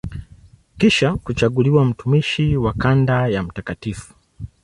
Kisha kuchaguliwa mtumishi wa kanda ya Mt.